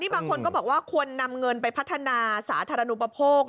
บางคนก็บอกว่าควรนำเงินไปพัฒนาสาธารณูปโภค